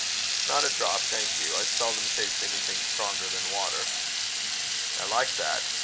"Not a drop, thank you. I seldom taste anything stronger than water." "I like that.